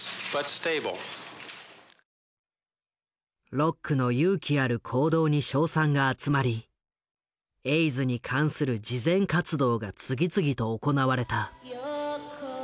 ロックの勇気ある行動に称賛が集まりエイズに関する慈善活動が次々と行われた。